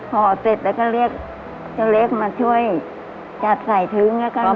ห่อเสร็จแล้วก็เรียกเจ้าเล็กมาช่วยจัดใส่ทึ้งแล้วก็